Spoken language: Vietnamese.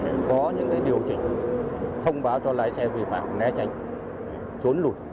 để có những cái điều chỉnh thông báo cho lái xe về phạm nghe tranh xuống lùi